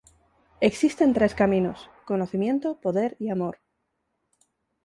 Existen tres caminos: conocimiento, poder y amor.